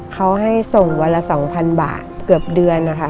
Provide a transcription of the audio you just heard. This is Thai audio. เขาให้ส่งวันละ๒๐๐๐บาทเกือบเดือนนะคะ